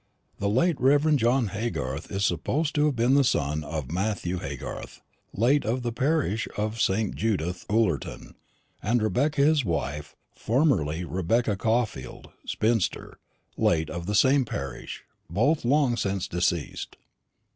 The late Rev. John Haygarth is supposed to have been the son of Matthew Haygarth, late of the parish of St. Judith, Ullerton, and Rebecca his wife, formerly Rebecca Caulfield, spinster, late of the same parish; both long since deceased."